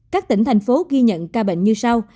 các tỉnh thành phố ghi nhận ca bệnh như sau